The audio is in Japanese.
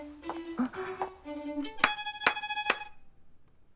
あっ。